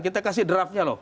kita kasih draftnya loh